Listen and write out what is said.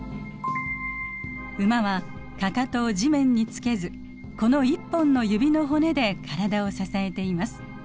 ウマはかかとを地面につけずこの１本の指の骨で体を支えています。